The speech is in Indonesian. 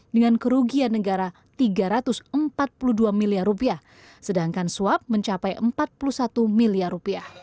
dengan kerugian negara rp tiga ratus empat puluh dua miliar sedangkan suap mencapai rp empat puluh satu miliar